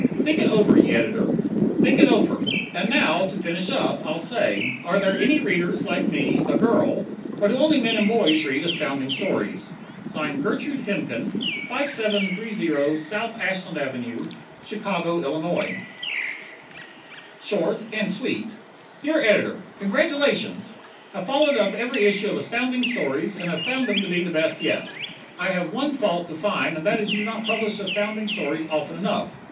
Think it over, ye Ed., think it over. And now, to finish up, I'll say: are there any readers like me a girl or do only men and boys read Astounding Stories? Gertrude Hemken, 5730 So. Ashland Ave., Chicago, Ill. Short and Sweet Dear Editor: Congratulations! Have followed up every issue of Astounding Stories and have found them the best yet. I have one fault to find and that is you do not publish Astounding Stories often enough.